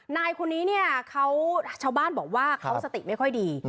นายคนนี้ชาวบ้านบอกว่าเขาสติไม่ค่อยดี